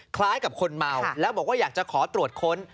คล้ายกับคนเมาแล้วบอกว่าอยากจะขอตรวจค้น